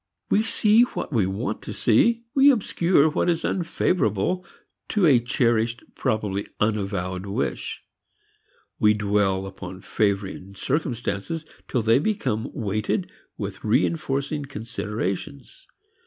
We see what we want to see, we obscure what is unfavorable to a cherished, probably unavowed, wish. We dwell upon favoring circumstances till they become weighted with reinforcing considerations.